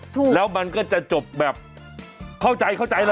ถูกแล้วมันก็จะจบแบบเข้าใจแล้วแหละ